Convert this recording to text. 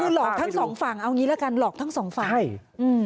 หลอกทั้งสองฝั่งเอาอันนี้ล่ะกันหลอกทั้งสองฝั่ง